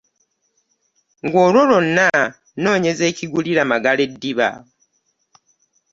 Nga olwo lwonna nonyeza ekigulira Magala eddiba .